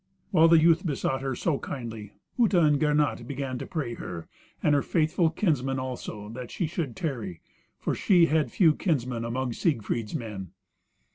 While the youth besought her so kindly, Uta and Gernot began to pray her, and her faithful kinsmen also, that she should tarry, for she had few kinsmen among Siegfried's men.